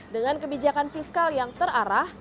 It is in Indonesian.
dengan kebijakan fiskal yang terarah